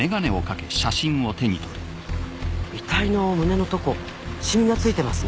遺体の胸のとこシミがついてますね